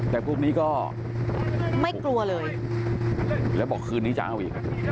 แต่พวกนี้ก็ไม่กลัวเลยแล้วบอกคืนนี้จะเอาอีก